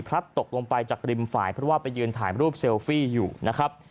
ตกลงไปจากริมฝ่ายเพราะว่าไปยืนถ่ายรูปเซลฟี่อยู่นะครับ